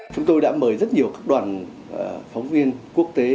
chúng tôi đã mời rất nhiều các đoàn phóng viên quốc tế